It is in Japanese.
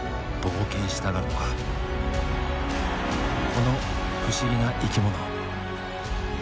この不思議な生き物。